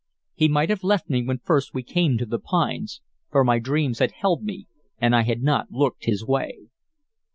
He might have left me when first we came to the pines, for my dreams had held me, and I had not looked his way.